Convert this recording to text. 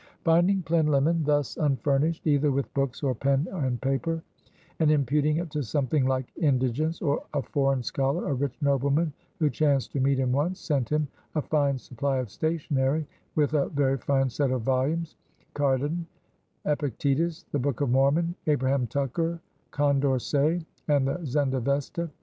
Finding Plinlimmon thus unfurnished either with books or pen and paper, and imputing it to something like indigence, a foreign scholar, a rich nobleman, who chanced to meet him once, sent him a fine supply of stationery, with a very fine set of volumes, Cardan, Epictetus, the Book of Mormon, Abraham Tucker, Condorcet and the Zenda Vesta.